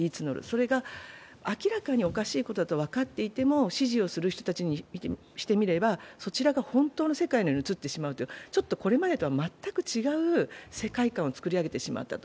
それが明らかにおかしいことだと分かっていても支持をする人たちにしてみれば、そちらが本当の世界のように映ってしまう、これまでとは全く違う世界観を作り上げてしまった。